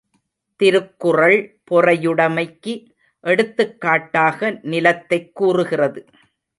திருக்குறள் பொறையுடைமைக்கு எடுத்துக் காட்டாக நிலத்தைக் கூறுகிறது.